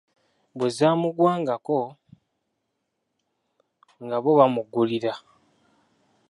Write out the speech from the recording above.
Bwe zaamuggwangako nga bo bamugulira.